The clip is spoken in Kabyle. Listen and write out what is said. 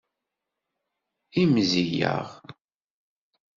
Imẓiyeɣ.